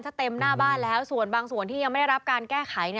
ถ้าเต็มหน้าบ้านแล้วส่วนบางส่วนที่ยังไม่ได้รับการแก้ไข